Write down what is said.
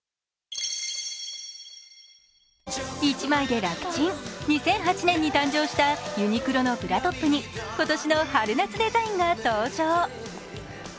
１枚で楽ちん、２００８年に誕生したユニクロのブラトップに今年の初夏デザインが登場。